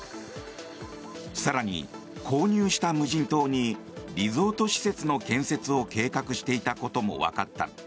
更に、購入した無人島にリゾート施設の建設を計画していたこともわかった。